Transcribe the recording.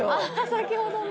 先ほどの。